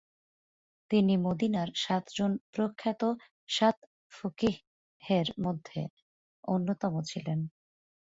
তিনি মদীনার সাতজন প্রখ্যাত সাত ফকীহের মধ্যে অন্যতম ছিলেন।